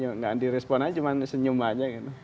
ya gak direspon aja cuman senyum aja gitu